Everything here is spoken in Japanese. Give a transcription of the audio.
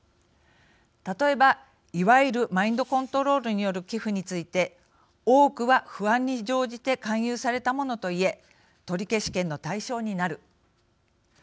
例えば、いわゆるマインドコントロールによる寄付について多くは不安に乗じて勧誘されたものと言え取消権の対象になる。